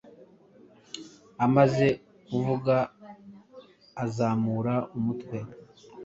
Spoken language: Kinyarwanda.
Amaze kuvuga, azamura umutwe,